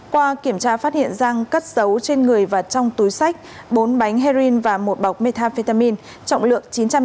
qua kiểm tra phát hiện giang cất dấu trên người và trong túi sách bốn bánh heroin và một bọc methamphetamine trọng lượng chín trăm chín mươi năm g